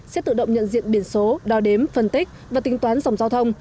sẽ tự động nhận diện biển số đo đếm phân tích và tính toán dòng giao thông